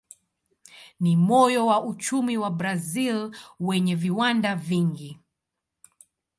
Ni moyo wa uchumi wa Brazil wenye viwanda vingi.